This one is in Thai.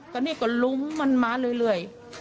ก็นี่ก็ลุ้มมันมาเรื่อย